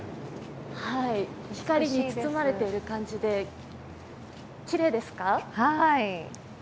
光に包まれている感じできれいですか？